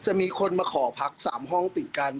มีคนมาขอพัก๓ห้องติดกัน